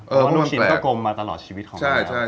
เพราะว่านูกชิ้นก็กลมมาตลอดชีวิตของมันแล้ว